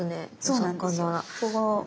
そうなんですよ。